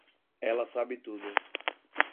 Ela sabe tudo.